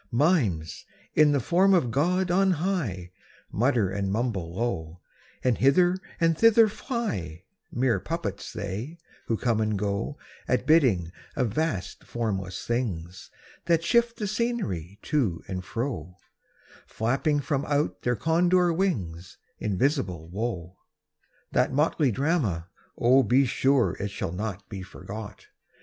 Mimes, in the form of God on high, Mutter and mumble low, And hither and thither fly— Mere puppets they, who come and go At bidding of vast formless things That shift the scenery to and fro, Flapping from out their Condor wings Invisible Woe! That motley drama—oh, be sure It shall not be forgot!